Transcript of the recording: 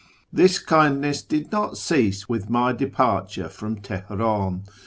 This kindness did not cease with my departure from Teheran.